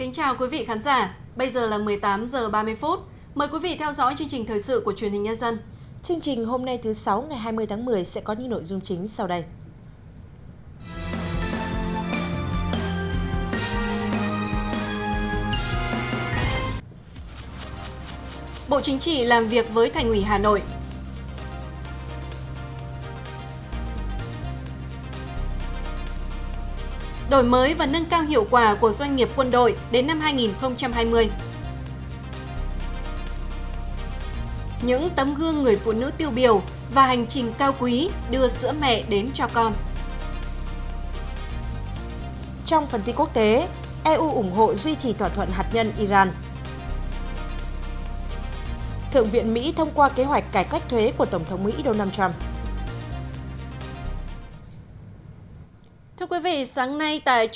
chương trình hôm nay thứ sáu ngày hai mươi tháng một mươi sẽ có những nội dung chính sau đây